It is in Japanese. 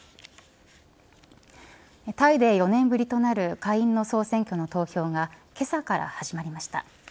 タイで４年ぶりとなる下院の総選挙の投票が、けさから始まりました。